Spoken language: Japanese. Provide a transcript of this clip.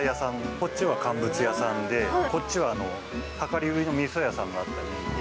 こっちは乾物屋さんで、こっちは量り売りのみそ屋さんがあったり。